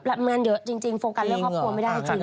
งานเยอะจริงโฟกัสเรื่องครอบครัวไม่ได้จริง